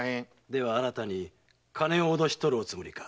では新たに金を脅し取るおつもりか？